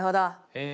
え